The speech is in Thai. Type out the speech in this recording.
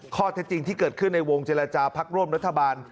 ข้อเท็จจริงที่เกิดขึ้นในวงเจรจาพักร่วมรัฐบาล